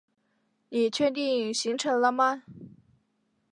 你确定行程了吗？